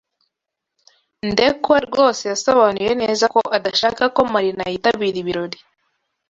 Ndekwe rwose yasobanuye neza ko adashaka ko Marina yitabira ibirori.